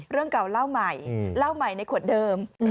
เรื่องเก่าเล่าใหม่เล่าใหม่ในขวดเดิม